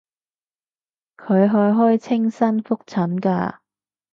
佢去開青山覆診㗎